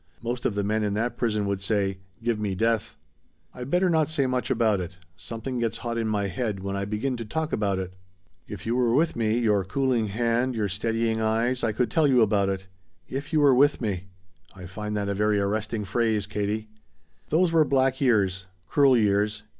Most of the men in that prison would say, 'Give me death.' "I'd better not say much about it. Something gets hot in my head when I begin to talk about it. If you were with me your cooling hand, your steadying eyes I could tell you about it. 'If you were with me'! I find that a very arresting phrase, Katie. "Those were black years. Cruel years.